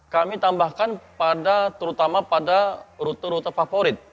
kami tambahkan pada terutama pada rute rute favorit